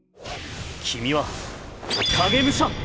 君は影武者！